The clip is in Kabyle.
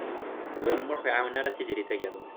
Meẓyan U Muḥ ur iɛawen ara Tiziri Tagawawt.